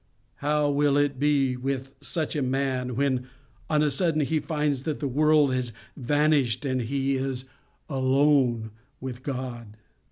—How will it be with such a man when on a sudden he finds that the world has vanished, and he is alone with God?